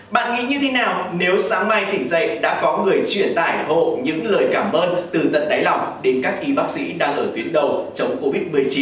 bạn nghĩ như thế nào nếu sáng mai tỉnh dậy đã có người truyền tải hộ những lời cảm ơn từ tận đáy lòng đến các y bác sĩ đang ở tuyến đầu chống covid một mươi chín